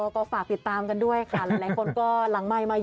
ก็ฝากติดตามกันด้วยค่ะหลายคนก็หลังไมค์มาเยอะ